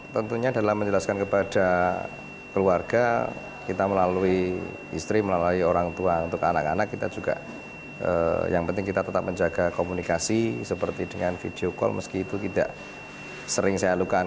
tentunya dalam menjelaskan kepada keluarga kita melalui istri melalui orang tua untuk anak anak kita juga yang penting kita tetap menjaga komunikasi seperti dengan video call meski itu tidak sering saya alukan